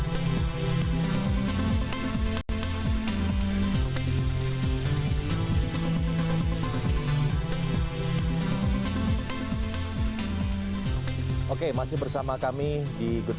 hai hai hai oke masih bersama kami di good